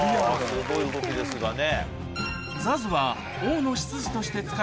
すごい動きですがね。